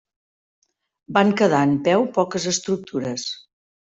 Van quedar en peu poques estructures.